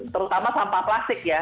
terutama sampah plastik ya